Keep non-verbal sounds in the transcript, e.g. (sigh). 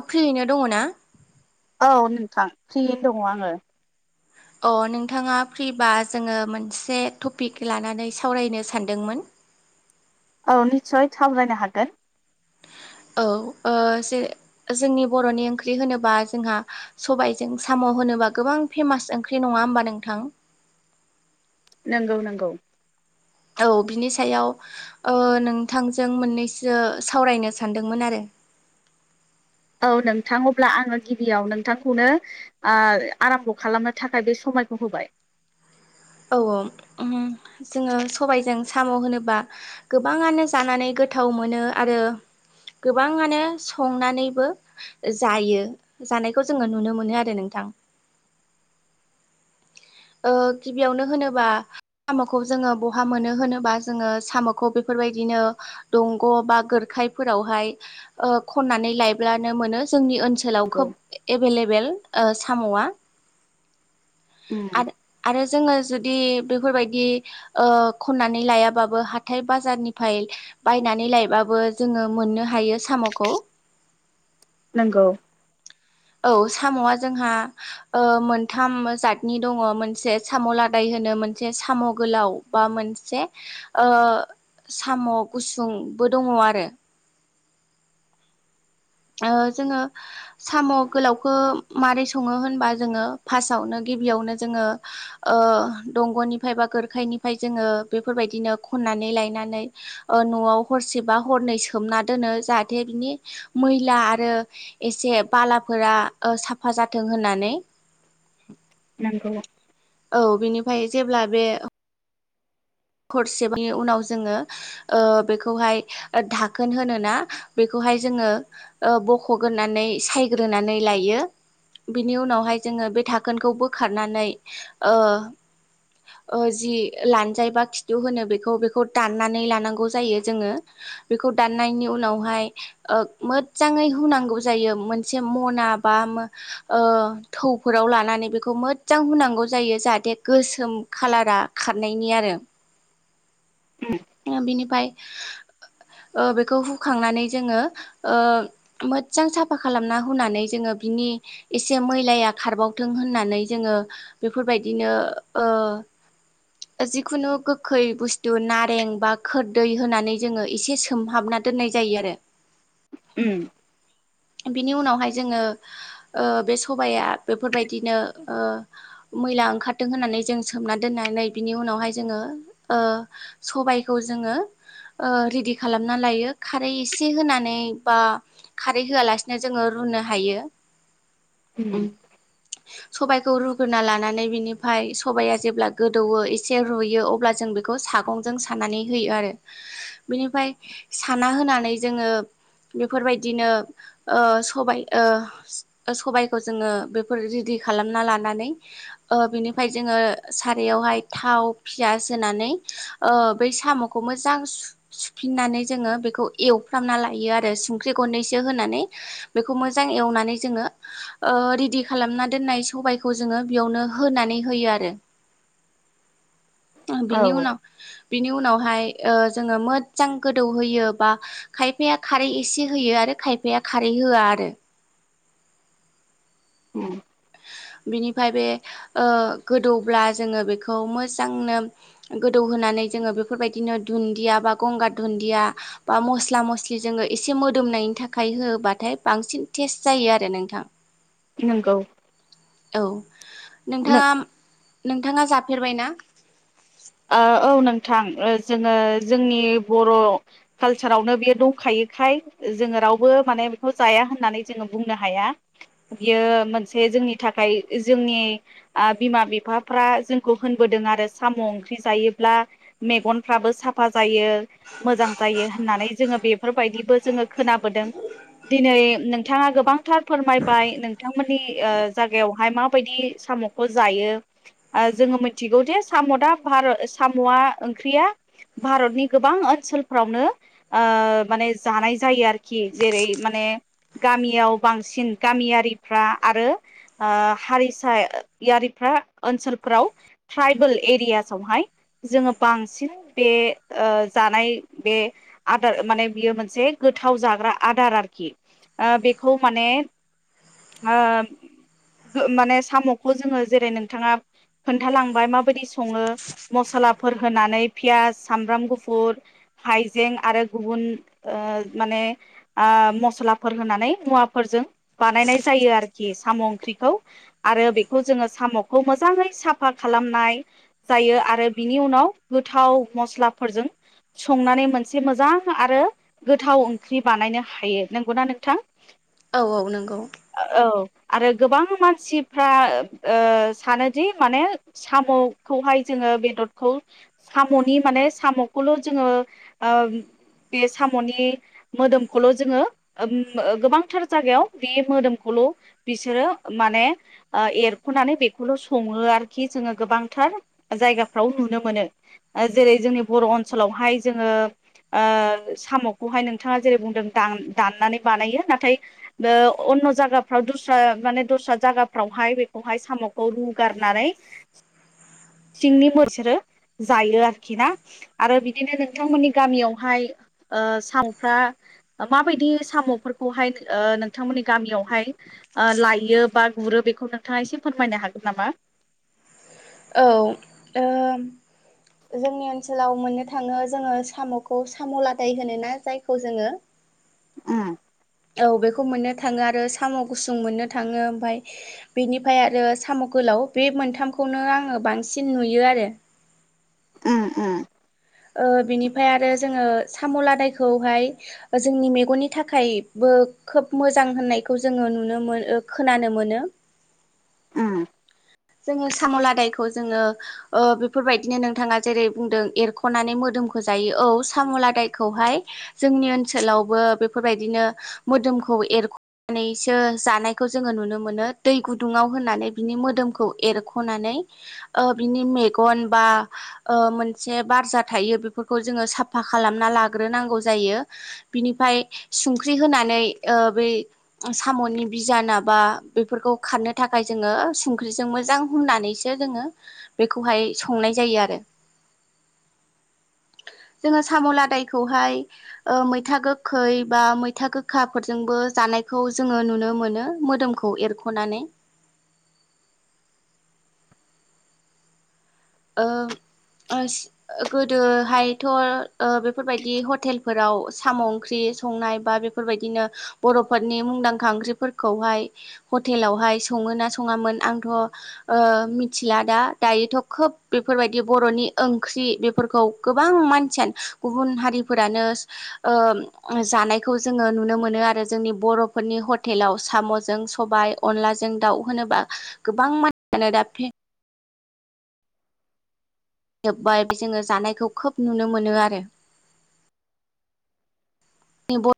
अ फ्रियैनो दङ ना औ नोंथां फ्रियैनो दङ आङो अ नोंथाङा फ्रिबा जोङो मोनसे टपिक लानानै सावरायनो सानदोंमोन औ निस्सय सावरायनो हागोन औ जे जोंनि बर'नि ओंख्रि होनोबा जोंहा सबायजों साम' होनोबा गोबां फेमास ओंख्रि नङा होमबा नोंथां। नंगौ नंगौ। औ बिनि सायाव नोंथांजों मोननैसो सावरायनो सानदोंमोन आरो। (inaudible) औ नोंथां अब्ला आङो गिबियाव नोंथांखौनो आराम्भ' खालामनो थाखाय बे समायखौ होबाय। (inaudible) औ औ जोङो सबबायजों साम' होनोब्ला गोबाङानो जानानै गोथाव मोनो आरो। गोबाङानो संनानैबो जायो जानायखौ जोङो नुनो मोनो आरो नोंथां थां (inaudible) ओ गिबियावनो होनोबा साम'खौ जोङो बहा मोनो होनोबा जोङो साम'खौ बेफोर बेफोरबायदिनो दंग' बा गोरखायफोरावहाय खननानै लायब्लानो मोनो। जोंनि ओनसोलाव नंगौ खोब एभेलेबेल साम'आ आरो आरो जोङो जुदि बेफोरबायदि खन्नानै लायाबाबो हाथाय बाजारनिफ्राय बायनानै लायबाबो जोङो मोननो हायो साम'खौ नंगौ। औ साम'आ जोंहा मोनथाम जातनि दङ मोनसे साम' लादाय होन मोनसे साम' गोलाव बा मोनसे साम' गुसुंबो दङ आरो जोङो साम' गोलावखौ मारोरै सङो होनबा जोङो फार्स्टआवनो गिबियावनो जोङो दंग'निफ्राय बा गोरखायनिफ्राय जोङो बेफोरबायदिनो खननाय नानै लनानै न'आव हरसेबा हरनै सोमना दोनो जाहाथे बिनि मैला आरो एसे बालाफोरा साफा जाथों होननानै नंगौ औ बिनिफ्राय जेब्ला बे हरसेबनि उनाव जोङो बेखौहाय धाखोन होनोना बेखौ बेखौहाय जोङो बख'ग्रोननानै सायग्रोनानै लायो। बिनि उनावहाय जोङो बे थाखोनखौ बोखारनानै जि लानजायोबा खिथु होनो बेखौ बेखौ दाननानै लानांगौ जायो जोङो बेखौ दाननायनि उनावहाय मोजाङै होनोनांगौ जायो मोनसे मना बाथौफोर बेव लानानै बेखौ मोजां हुनांगौ जायो जाहाथे गोसोम कालारा खारनायनि आरो आ बिनिफ्राय (inaudible) बेखौ हुखांनानै जोङो मोजां साफा खालामना होनानै जोङो। बिनि एसे मैलाया खारबावथों होननानै जोङो बेफोरबायदिनो (inaudible) आंखौ खै बुस्थु नारें बा खोरदै होनानै जोङो एसे सोमहाबना दोननाय जायो आरो उ बिनि उनावहाय जोङो बे सबाया बेफोरबायदिनो मैला ओंखारदों होननानै जों सोमना दोननानै बिनि उनावहाय जोङो सबायखौ जोङो रेडि खालामना लायो खारै एसे होनानै बा खारै होआलासिनो जोङो रुनो हायो। उ सबबायखौ रुगोना लानानै बिनिफ्राय सबाइया जेब्ला गोदौवो एसे रुयो अब्ला। जों बेखौ सागंजों सानानै होयो आरो बिनिफ्राय साना होनानै जोङो बेफोरबायदिनो सबाय सबायखौ जोङो बेफोरदि खालामना लानानै बेनिफ्राय जोङो सारयावहाय थाव फियास होनानै बै साम'खौ मोजां सुफिननानै जोङो बेखौ एवफ्रामना ला आरो संख्रि गरनैसो होनानै बेखौ मोजां एवनानै जोङो रेडि खालाम खालामामना दोन्नाय सबायखौ जोङो बेयावनो होनानै होयो आरो (inaudible) औ बिनि उ न बिनि उनावहाय जोङो मोजां गोदौहोयो बा खायफाया खारै एसे होयो आरो खायफाया खारै होआ आरो उम बिनिफ्राय बे गोदौब्ला जोङो बेखौ मोजांनो गोदौ हो बेफोरबायदिनो द ब ग दया बा म मसे (inaudible) मोदोमनायनि थाखाय होब्लाथाय बांसिन टेस्ट जायो आरो नोंथां। नंगौ। औ नोंथाङा नोंथाङा जाफेरबाय ना थां जोङो जोंनि बर' कालसारावनो बियो दंखायोखाय जोङो रावबो माने बेखौ जाया होननानै जोङो बुंनो हाया बियो मोनसे जोंनि थाखाय जोंनि बिमा बिफाफ्रा जोंखौ होनबोदों आरो साम' जायोब्ला मेगफ्राबो साफा जायो मोजां जायो होननानै जोङो बेफोरबायदिबो जोङो खोनाबोदों दिनै नोंथाङा गोबांथार फोरमायबाय नोंथांमोननि जायागायावहाय मा बेबायदि साम'खौ जायो जोङो मिथिगौ जे साम' दा साम'आ ओंख्रिया भारतनि गोबां ओनसोलफ्रावनो माने जानाय जायो आरोखि जेरै माने गामियाव बांसिन गामियारिफ्रा आरो हारिसायारिफोरा ओनसोलफ्राव ट्राइबेल एरिया जोङो बांसिन बे जानाय बे आदार माने मोनसे गोथाव जाग्रा आदार आरोखि बेखौ माने आ माने साम'खौ जोङो जेरै नोंथाङा खोन्थालांबाय माबायदि सङो मसलाफोर होनानै पियास सामब्राम गुफुर हायजें आरो गुबुन माने मस्लाफोर होनानै मुवाफोरजों बानायनाय जायो आरोखि साम' ओंख्रिखौ आरो बेखौ जोङो साम'खौ मोजाङै साफा खालामनाय जायो आरो बिनि उनाव गोथाव मस्लाफोरजों संनानै मोनसे मोजां आरो गोथाव ओंख्रि बानायनो हायो नंगौना नोंथां औ औ नंगौ औ आरो गोबां मानसिफ्रा सानोदि माने साम' खौहाय जोङो बेदरखौ साम'नि माने साम'खौल' जोङो बे साम'नि मोदोमखौल' जोङो गोबांथार जायागायाव बे मोदोमखौल' बिसोरो माने एरख'नानै बेखौल' सङो आरोखि जोङो गोबां थार जायगाफ्राव नुनो मोनो जेरै जोंनि बर' ओनसोलावहाय जोङो साम'खौहाय नोंथाङा जेरै बुंदों दाननानै बानायो नाथाय अन' जाफ्राव दस माने दस्रा जायगाफ्रावहाय बेखौहाय साम'खौ रुगारनानै सिंनि मोनसोरो जायो आरोखि ना आरो बिदिनो नोंथांमोननि गामियावहाय साम'फ्रा माबायदि साम'फोरखौहाय नोंथांमोननि गामियावहाय लायो बा गुरो बेखौ नोंथाङा एसे फोरमायनो हागोन नामा औ जोंनि ओनसोलाव मोननो थाङो जोङो साम'खौ साम' लादाय होनो ना जायखौ जोङो उम औ बेखौ मोननो थाङो आरो साम' गुसुं मोननो थाङो ओमफ्राय बेनिफ्राय आरो साम' गोलाव बे मोनथामखौनो आङो बांसिन नुयो आरो उम उम बिनिफ्राय आरो जोङो साम' लादायखौहाय जोंनि मेगननि थाखाय खोब मोजां होननायखौ जोङो नुनो मोनो खोनानो मोनो (unintelligible) उम जोङो साम'लादायखौ जोङो बेफोरबायदिनो नोंथाङा जेरै बुंदों एरख'नानै मोदोम खोजायो औ साम'लादायखौहाय जोंनि ओनसोलावबो बेफोरबायदिनो मोदोम खौ एरख'नानैसो जानायखौ जोङो नुनो मोनो दै गुदुङाव होननानै बिनि मोदोमखौ एरखनानै ओ बेनि मेगन ओ मोनसे बारजा थायो बेफोरखौ जोङो साफा खालामना लाग्रोनांगौ जायो बिनिफ्राय संख्रि होनानै बै साम'नि बिजान बा बेफोरखौ खारनो थाखाय जोङो संख्रिजों मोजां हनानैसो जोङो बेखौहाय संनाय जायो आरो (inaudible) जोङो साम'लादायखौहाय मैथा गोखै बा मैथा गोखाफोरजोंबो जानायखौ जोङो नुनो मोनो मोदोमखौ एरख'नानै ज आ गोदोहायथ' बेफोरबायदि हटेलफोराव साम' ओंख्रि नो म सङोोना सङामोन आंथ' मिथिला दा दायोथ' खोब बेफोरबायदि बर'नि ओंख्रि बेफोरखौ गोबां मानसियानो गुबुन हारिफोरानो जानायखौ जोङो नुनो मोनो आरो जोंनि बर'फोरनि हटेलाव साम'जों स सबाय अनलाजों दाउ होनोबा गोबां मानसियानो दा जोब्बाय जोङो जानायखौ खोब नुनो मोनो आरो बेब